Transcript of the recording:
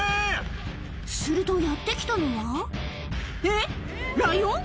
するとやって来たのは、えっ、ライオン？